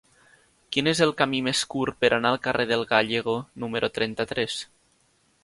Quin és el camí més curt per anar al carrer del Gállego número trenta-tres?